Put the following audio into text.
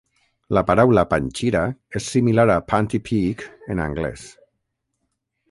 La paraula Panchira és similar a panty peek en anglès.